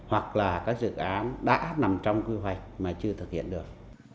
và các dự án đã nằm trong quy hoạch mà chưa thực hiện được